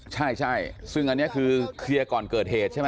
ใช่ซึ่งอันนี้คือเคลียร์ก่อนเกิดเหตุใช่ไหม